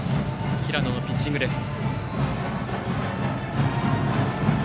平野のピッチングです。